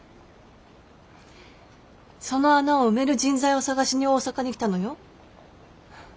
その穴を埋める人材を探しに大阪に来たのよ。